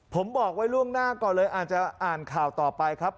ผมบอกไว้ล่วงหน้าก่อนเลยอาจจะอ่านข่าวต่อไปครับ